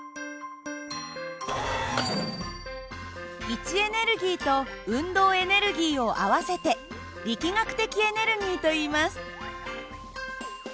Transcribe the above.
位置エネルギーと運動エネルギーを合わせて力学的エネルギーといいます。